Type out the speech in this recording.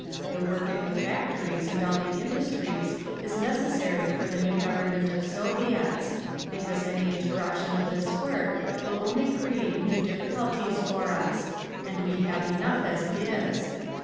The work in the factories and all the industries is necessary for the new Government of Soviets, because any interruption of this work will only create new difficulties for us, and we have enough as it is.